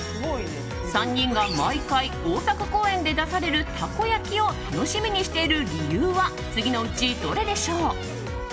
３人が毎回、大阪公演で出されるたこ焼きを楽しみにしている理由は次のうちどれでしょう？